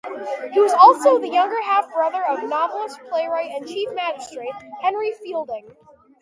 He was also the younger half-brother of novelist, playwright and chief magistrate Henry Fielding.